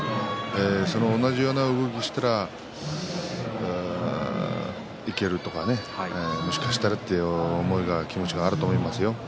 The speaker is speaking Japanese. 同じような動きをしたらばいけるとかねもしかしたらという思い気持ちがあると思いますよ。